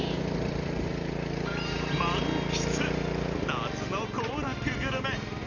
夏の行楽グルメ。